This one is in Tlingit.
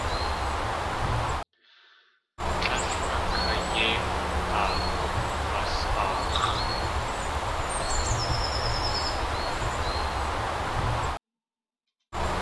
Tlél a kayéikg̲aa k̲ukg̲was.aax̲.